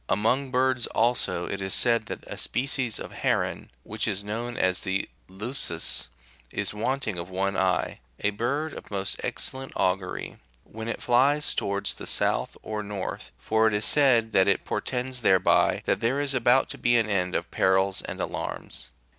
Among birds also, it is said that a species of heron, which is known as the "leucus,"9^ is wanting of one eye : a bird of most excellent augury, when it flies towards the south or north, for it is said that it portends thereby that there is about to be an end of perils and alarms.